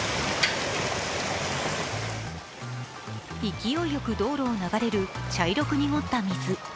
勢いよく道路を流れる茶色く濁った水。